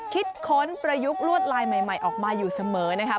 ค้นประยุกต์ลวดลายใหม่ออกมาอยู่เสมอนะคะ